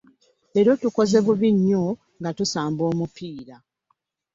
Leero tukoze bubi nnyo nga tusamba omupiira.